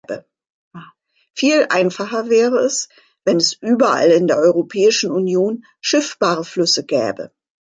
Viel einfacher wäre es, wenn es überall in der Europäischen Union schiffbare Flüsse gäbe.